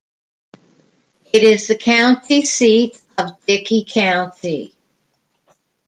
It is the county seat of Dickey County.